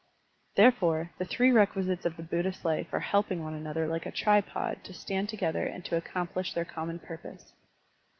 Therefore, the three requisites of the Buddhist life are helping one another like a tripod to stand together and to accomplish their common pur pose.